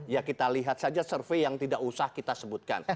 ya kita lihat saja survei yang tidak usah kita sebutkan